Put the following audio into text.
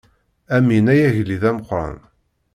Amin ay agellid ameqqran.